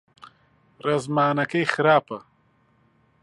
ڕێزمانەکەی خراپە.